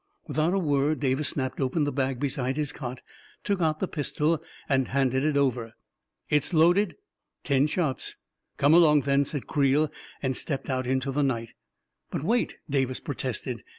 " Without a word Davis snapped open the bag beside his cot, took out the pistol and handed it over. " It's loaded? "" Ten shots." " Come along, then," said Creel, and stepped out into the night. "But wait!" Davis protested.